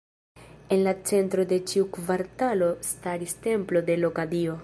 En la centro de ĉiu kvartalo staris templo de loka dio.